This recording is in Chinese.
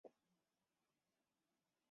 但开发商未按要求修复祠堂。